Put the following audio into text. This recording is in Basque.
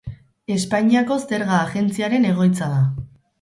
Espainiako Zerga Agentziaren egoitza da.